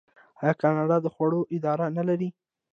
آیا کاناډا د خوړو اداره نلري؟